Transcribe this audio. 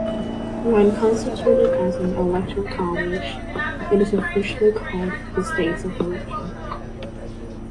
When constituted as an electoral college, it is officially called the "States of Election".